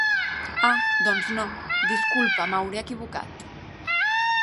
Ah doncs no, disculpa m'hauré equivocat.